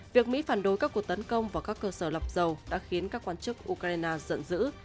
việc mỹ phản đối các cuộc tấn công vào các cơ sở lọc dầu đã khiến các quan chức ukraine giận dữ